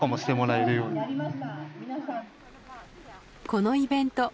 このイベント